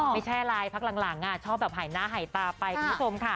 ไม่ใช่อะไรพักหลังชอบแบบหายหน้าหายตาไปคุณผู้ชมค่ะ